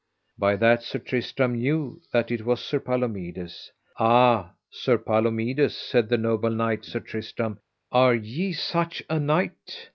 By that Sir Tristram knew that it was Sir Palomides. Ah, Sir Palomides, said the noble knight Sir Tristram, are ye such a knight?